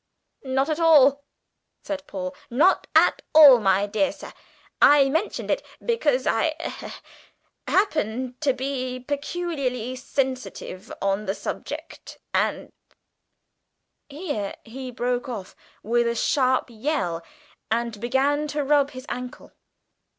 "Not at all," said Paul, "not at all, my dear sir. I mentioned it because I ah happen to be peculiarly sensitive on the subject and " Here he broke off with a sharp yell, and began to rub his ankle.